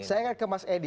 saya ingat ke mas edi